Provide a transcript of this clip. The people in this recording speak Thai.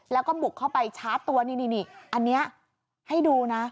แล้วก็บุกเข้าไปชาร์จตัวนี่อันนี้ให้ดูนะ